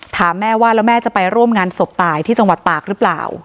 ถามแม่ว่าแล้วแม่จะไปร่วมงานศพตายที่จังหวัดตากหรือเปล่า